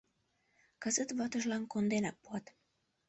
Кызыт ватыжлан конденак пуат.